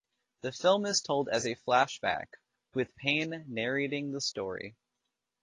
The film is told as a flashback with Payne narrating the story.